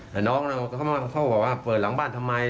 แต่น้องเขาบอกว่าเปิดหลังบ้านทำไม